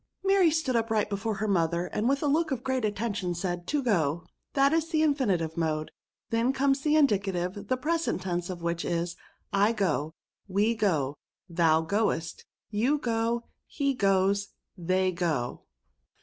Mary stood upright before her mother, and, with a look of great attention, said, To go. That is the infinitive mode. Then comes the indicative, the present tense of which is, " I go. We go. Thou goest. You go. He goes. They go.